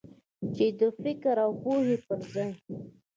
چې د فکر او پوهې پر ځای.